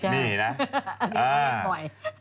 นี่นะอันนี้เราก็ลอยไล่อยู่